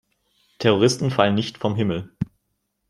Terroristen fallen nicht vom Himmel.